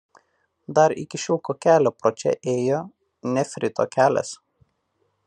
Dar iki šilko kelio pro čia ėjo „nefrito kelias“.